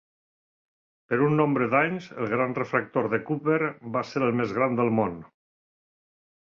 Per un nombre d'anys el gran refractor de Cooper va ser el més gran del món.